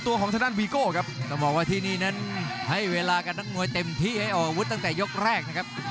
ต้องบอกว่าที่นี่นั้นให้เวลากับนักมวยเต็มที่ให้ออกวุฒิตั้งแต่ยกแรกนะครับ